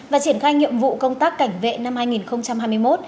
và triển khai nhiệm vụ công tác cảnh vệ năm hai nghìn hai mươi một